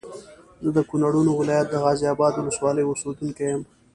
زه د کونړونو ولايت د غازي اباد ولسوالۍ اوسېدونکی یم